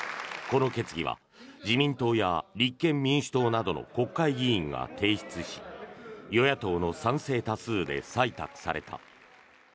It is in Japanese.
この決議は自民党や立憲民主党などの国会議員が提出し与野党の賛成多数で採択された。